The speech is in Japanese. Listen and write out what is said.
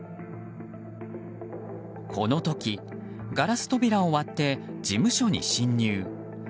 この時、ガラス扉を割って事務所に侵入。